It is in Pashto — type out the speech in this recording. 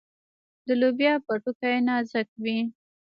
د لوبیا پوټکی نازک وي.